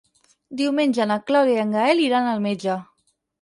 Diumenge na Clàudia i en Gaël iran al metge.